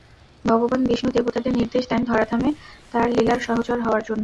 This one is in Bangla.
ভগবান বিষ্ণু দেবতাদের নির্দেশ দেন ধরাধামে তাঁর লীলার সহচর হওয়ার জন্য।